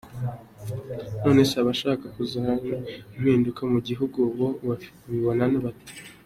None se abashaka kuzana impinduka mu Gihugu, bo babibona bate?